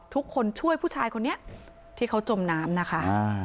ทุกคนช่วยผู้ชายคนนี้ที่เขาจมน้ำนะคะ